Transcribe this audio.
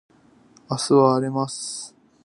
明日は荒れます